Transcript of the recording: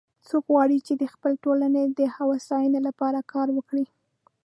څوک غواړي چې د خپلې ټولنې د هوساینی لپاره کار وکړي